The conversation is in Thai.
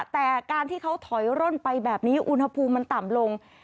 แต่การที่เขาถอยร่นไปแบบนี้อุณหภูมิมันต่ำลง